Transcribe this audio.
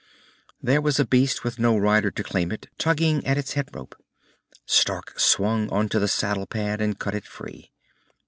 There was a beast with no rider to claim it, tugging at its headrope. Stark swung onto the saddle pad and cut it free.